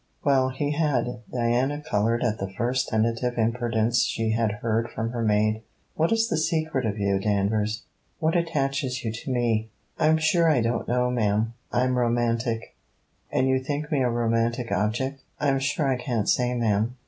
'Well, he had.' Diana coloured at the first tentative impertinence she had heard from her maid. 'What is the secret of you, Danvers? What attaches you to me?' 'I'm sure I don't know, ma'am. I'm romantic.' 'And you think me a romantic object?' 'I'm sure I can't say, ma'am.